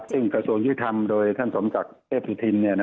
ซึ่งกระทรวงยุทธรรมโดยท่านสมศักดิ์เทพสุธิน